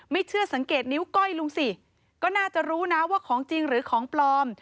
ไม่เชื่อสังเกตนิ้วก้อยลุงสิก็น่าจะรู้นะว่าของจริงหรือของปลอม